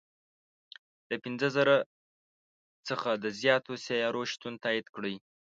له پنځه زرو څخه د زیاتو سیارو شتون تایید کړی.